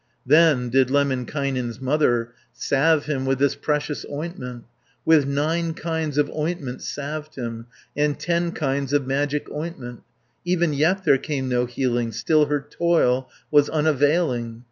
Then did Lemminkainen's mother Salve him with this precious ointment, With nine kinds of ointment salved him, And ten kinds of magic ointment; Even yet there came no healing, Still her toil was unavailing.